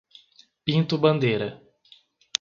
Pinto Bandeira